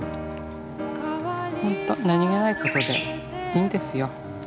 ほんと何気ないことでいいんですよ。